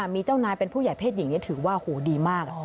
มีเจ้านายเป็นผู้ใหญ่เพศหญิงถือว่าโหดีมาก